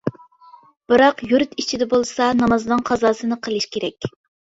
بىراق يۇرت ئىچىدە بولسا نامازنىڭ قازاسىنى قىلىش كېرەك.